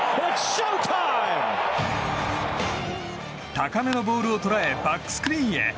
高めのボールを捉えバックスクリーンへ。